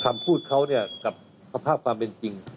คำพูดเขาเนี่ยกับสภาพความเป็นจริง